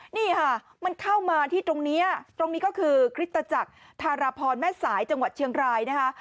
นี่ค่ะมันเข้ามาที่ตรงนี้ตรงนี้ก็คือคริสตจักรธารพรแม่สายจังหวัดเชียงรายนะคะ